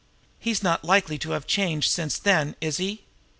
He's not likely to have changed any since then, is he?"